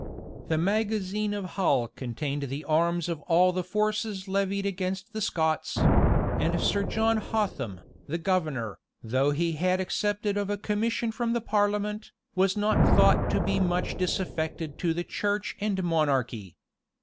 [] The magazine of Hull contained the arms of all the forces levied against the Scots; and Sir John Hotham, the governor, though he had accepted of a commission from the parliament, was not thought to be much disaffected to the church and monarchy.